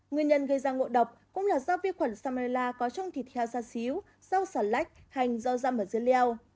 nguyên nhân gây ra ngộ độc cũng là do vi khuẩn salmonella có trong thịt heo xa xíu rau xà lách hành rau răm ở dưới leo